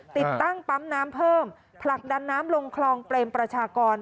ติดตั้งปั๊มน้ำเพิ่มผลักดันน้ำลงคลองเปรมประชากร